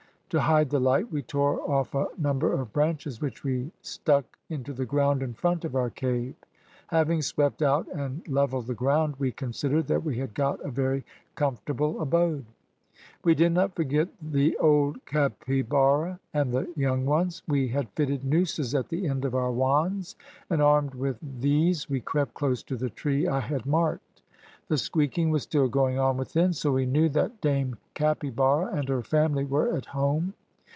To hide the light we tore off a number of branches which we stuck into the ground in front of our cave. Having swept out and, levelled the ground, we considered that we had got a very comfortable abode. We did not forget the old capybara and the young ones. We had fitted nooses at the end of our wands, and armed with these we crept close to the tree I had marked. The squeaking was still going on within, so we knew that Dame Capybara and her family were at home.